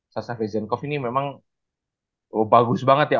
sasha bezenkov ini memang bagus banget ya